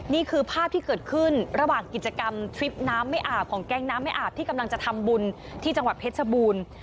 นี่คือภาพที่เกิดขึ้นระหว่างกิจกรรมทริปน้ำไม่อาบของแก๊งน้ำไม่อาบที่กำลังจะทำบุญที่จังหวัดเพชรชบูรณ์